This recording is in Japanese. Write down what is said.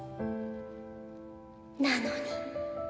なのに